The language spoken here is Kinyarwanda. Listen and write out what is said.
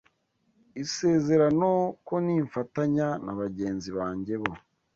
isezerano ko nimfatanya na bagenzi banjye bo